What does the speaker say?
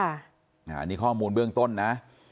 อันนี้ข้อมูลเบื้องต้นนะ